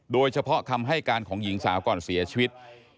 โดยเฉพาะคำให้การของหญิงสาวก่อนเสียชีวิต